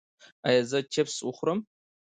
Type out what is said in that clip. ایا زه چپس وخورم؟